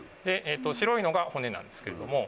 白いのが骨なんですけれども。